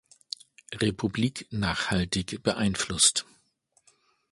Republik nachhaltig beeinflusst.